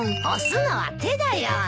押すのは手だよ。